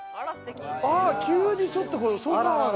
急にちょっとソファが。